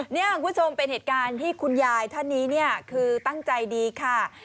นี่คุณผู้ชมเป็นเหตุการณ์ที่คุณยายท่านนี้เนี่ยคือตั้งใจดีค่ะ